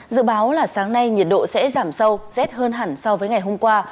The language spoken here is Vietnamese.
dự báo là sáng nay nhiệt độ sẽ giảm sâu rét hơn hẳn so với ngày hôm qua